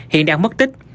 hiện đang mất tích